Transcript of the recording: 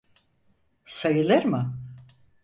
Sayılır mı?